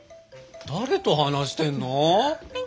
誰と話してんの？